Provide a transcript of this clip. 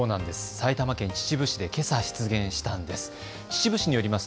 埼玉県秩父市でけさ出現したんです。